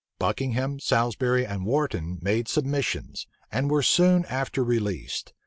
Buckingham, Salisbury, and Wharton made submissions, and were soon after released.